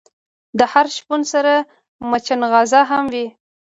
د هر شپون سره مچناغزه هم وی.